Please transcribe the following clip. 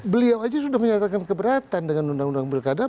beliau aja sudah menyatakan keberatan dengan undang undang pilkada